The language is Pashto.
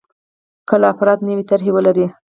کله افراد نوې طرحې ولري.